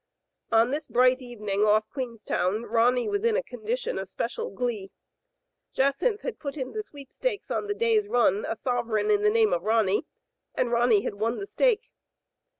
On this bright evening off Queenstown Ronny was in a condition of special glee. Jacynth had put in the sweepstakes on the day's run a sover eign in the name of Ronny, and Ronny had won the stake.